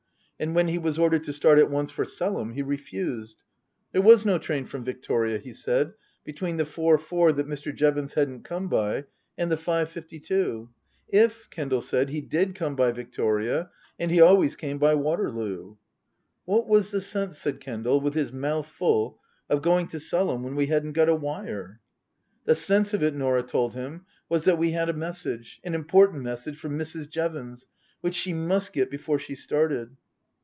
And when he was ordered to start at once for Selham, he refused. There was no train from Victoria, he said, between the four four that Mr. Jevons hadn't come by and the five fifty two. //, Kendal said, he did come by Victoria, and he always came by Waterloo. What was the sense, said Kendal, with his mouth full, of going to Selham when we hadn't got a wire ? The sense of it, Norah told him, was that we had a message an important message for Mrs. Jevons, which she must get before she started.